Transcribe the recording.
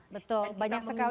betul banyak sekali ya